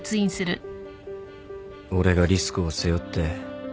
俺がリスクを背負って。